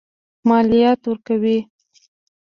مالیات ورکوي.